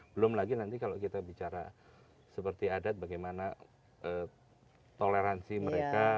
belum lagi nanti kalau kita bicara seperti adat bagaimana toleransi mereka